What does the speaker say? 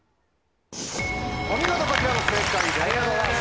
お見事こちらも正解です。